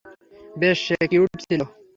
বেশ, সে কিউট ছিল?